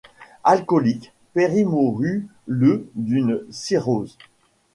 Alcoolique, Perry mourut le d'une cirrhose.